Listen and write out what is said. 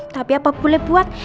tapi apa boleh buat